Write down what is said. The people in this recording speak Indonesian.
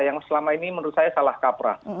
yang selama ini menurut saya salah kaprah